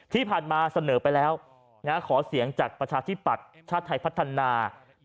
ที่ผ่านมาเสนอไปแล้วขอเสียงจากประชาธิปัตย์ชาติไทยพัฒนา